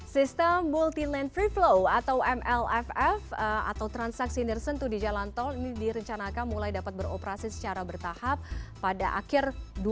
sistem multi land free flow atau mlff atau transaksi nersentuh di jalan tol ini direncanakan mulai dapat beroperasi secara bertahap pada akhir dua ribu dua puluh